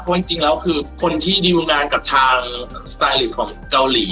เพราะจริงแล้วคือคนที่ดิวงานกับทางสไตลิสต์ของเกาหลี